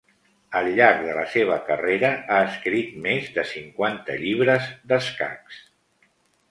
Al llarg de la seva carrera ha escrit més de cinquanta llibres d'escacs.